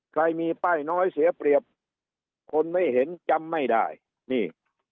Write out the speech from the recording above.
ใครมีป้ายน้อยเสียเปรียบคนไม่เห็นจำไม่ได้นี่